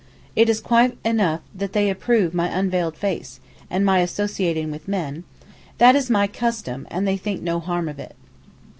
It is quite enough that they approve my unveiled face, and my associating with men; that is 'my custom,' and they think no harm of it.